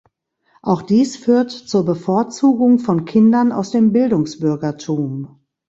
Auch dies führt zur Bevorzugung von Kindern aus dem Bildungsbürgertum.